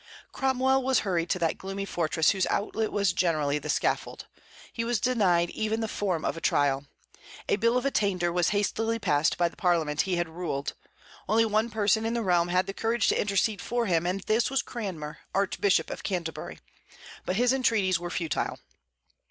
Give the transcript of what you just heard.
Cromwell was hurried to that gloomy fortress whose outlet was generally the scaffold. He was denied even the form of trial. A bill of attainder was hastily passed by the Parliament he had ruled. Only one person in the realm had the courage to intercede for him, and this was Cranmer, Archbishop of Canterbury; but his entreaties were futile.